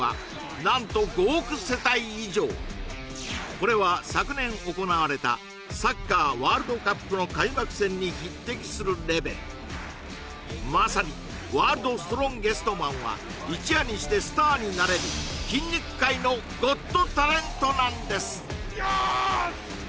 これは昨年行われたサッカーワールドカップの開幕戦に匹敵するレベルまさにワールドストロンゲストマンは一夜にしてスターになれるアアーッ！